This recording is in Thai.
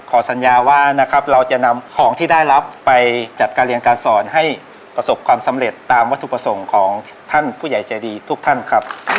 สัญญาว่านะครับเราจะนำของที่ได้รับไปจัดการเรียนการสอนให้ประสบความสำเร็จตามวัตถุประสงค์ของท่านผู้ใหญ่ใจดีทุกท่านครับ